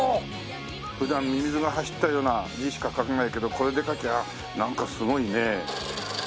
普段ミミズが走ったような字しか書かないけどこれで書きゃなんかすごいね。